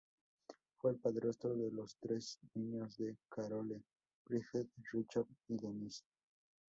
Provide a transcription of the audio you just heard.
Fue el padrastro de los tres niños de Carole: Bridget, Richard y Dennis.